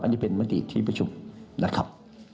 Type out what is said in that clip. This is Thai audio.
อันนี้เป็นมติที่ประชุมนะครับ